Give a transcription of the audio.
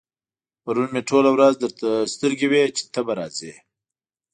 پرون مې ټوله ورځ درته سترګې وې چې ته به راځې.